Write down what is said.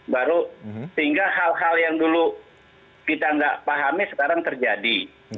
baru sehingga hal hal yang dulu kita nggak pahami sekarang terjadi